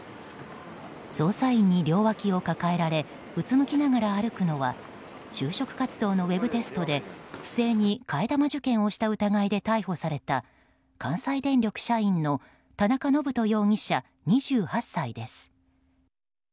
捜査員に両脇を抱えられうつむきながら歩くのは就職活動のウェブテストで不正に替え玉受験をした疑いで逮捕された関西電力社員の田中信人容疑者、２８歳です。